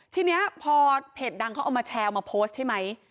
ทีนี้พอเพจดังเขาเอามาแชร์เอามาโพสต์ใช่ไหม